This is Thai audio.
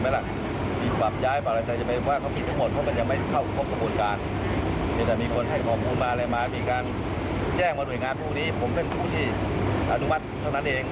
ว่ากลับที่ข้อมูลรับทฤษ